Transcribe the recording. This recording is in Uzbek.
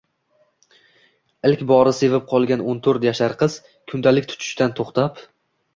Ilk bora sevib qolgan o‘n to‘rt yashar qiz kundalik tutishdan to‘xtab